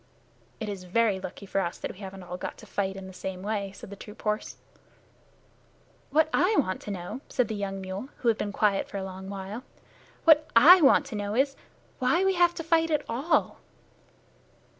"It is very lucky for us that we haven't all got to fight in the same way," said the troop horse. "What I want to know," said the young mule, who had been quiet for a long time "what I want to know is, why we have to fight at all."